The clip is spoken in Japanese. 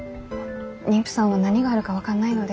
妊婦さんは何があるか分かんないので。